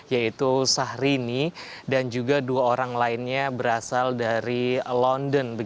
yaitu sahrini dan juga dua orang lainnya berasal dari london